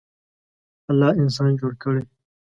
الله انسان جوړ کړی.